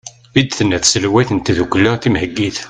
i d-tenna tselwayt n tddukkla timheggit